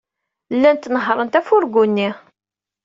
Llant nehhṛent afurgu-nni.